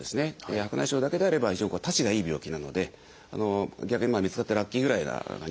白内障だけであれば非常にたちがいい病気なので逆に見つかってラッキーぐらいな感じなんですね。